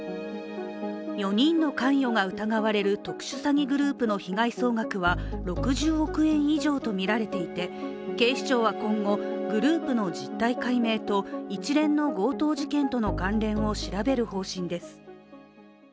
４人の関与が疑われる特殊詐欺グループの被害総額は６０億円以上とみられていて、警視庁は今後、グループの実態解明と一連の強盗事件との関連を調べる方針です。